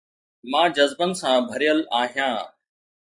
مان جذبن سان ڀريل آهيان